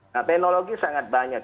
nah teknologi sangat banyak